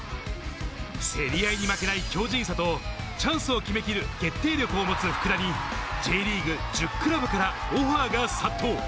競り合いに負けない強靱さと、チャンスを決めきる決定力を持つ福田にＪリーグ１０クラブからオファーが殺到。